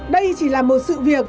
đây chỉ là một sự việc